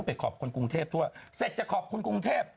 ขอบคุณกรุงเทพทั่วเสร็จจะขอบคุณกรุงเทพ